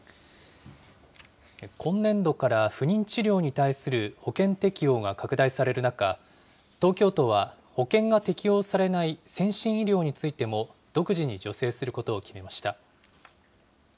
今年度から不妊治療に対する保険適用が拡大される中、東京都は保険が適用されない先進医療についても、独自に助成することを決めました。